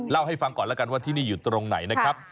เล่าให้ฟังก่อนแล้วกันว่าที่นี่อยู่ตรงไหนนะครับ